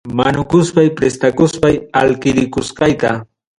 Manukuspay prestakuspay alkirikusqayta.